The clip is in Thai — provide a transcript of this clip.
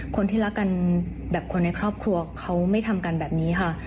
คนที่รักกันแบบคนในครอบครัวเขาไม่ทำกันแบบนี้ค่ะ